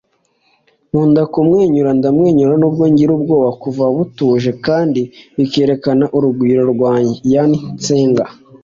nkunda kumwenyura. ndamwenyura nubwo ngira ubwoba kuva butuje kandi bikerekana urugwiro rwanjye. - yani tseng